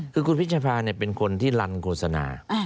คือคุณพิชภาเป็นคนที่ลันโฆษณา